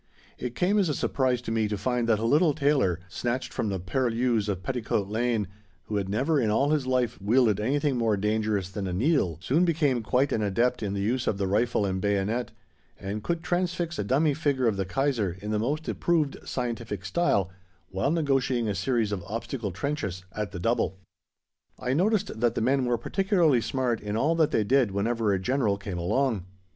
It came as a surprise to me to find that a little tailor, snatched from the purlieus of Petticoat Lane, who had never in all his life wielded anything more dangerous than a needle, soon became quite an adept in the use of the rifle and bayonet, and could transfix a dummy figure of the Kaiser in the most approved scientific style, while negotiating a series of obstacle trenches at the double. [Illustration: "I HAD AN ABLE AND ENTHUSIASTIC STAFF" (See page 33)] I noticed that the men were particularly smart in all that they did whenever a General came along.